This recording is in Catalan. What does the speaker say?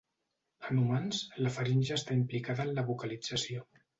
En humans, la faringe està implicada en la vocalització.